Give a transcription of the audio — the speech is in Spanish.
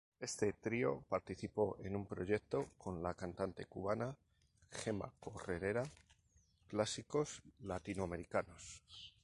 Este trío participó en un proyecto con la cantante cubana Gema Corredera, Clásicos Latinoamericanos.